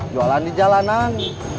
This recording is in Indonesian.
jualan di jalanan